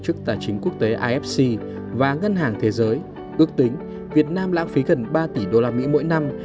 tổ chức tài chính quốc tế ifc và ngân hàng thế giới ước tính việt nam lãng phí gần ba tỷ usd mỗi năm